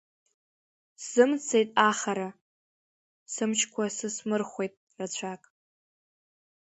Сзымцеит ахара, сымчқәа сысмырхәеит рацәак.